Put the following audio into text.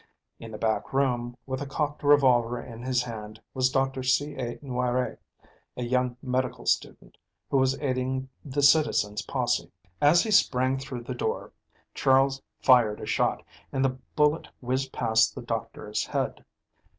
In the back room, with a cocked revolver in his hand, was Dr. C.A. Noiret, a young medical student, who was aiding the citizens' posse. As he sprang through the door Charles fired a shot, and the bullet whizzed past the doctor's head.